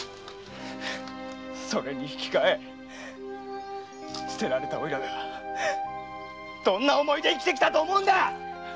それにひきかえ捨てられたおいらがどんな思いで生きてきたと思うんだ！